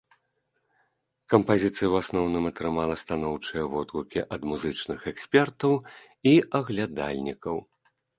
Кампазіцыя ў асноўным атрымала станоўчыя водгукі ад музычных экспертаў і аглядальнікаў.